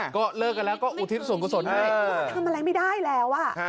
ก็เลิกกันแล้วก็อุทิศส่วนกุศลให้ทำอะไรไม่ได้แล้วอ่ะ